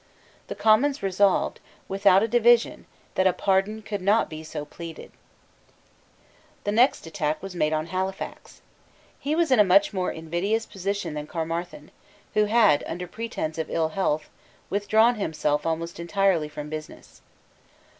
The Commons resolved, without a division, that a pardon could not be so pleaded, The next attack was made on Halifax. He was in a much more invidious position than Caermarthen, who had, under pretence of ill health, withdrawn himself almost entirely from business.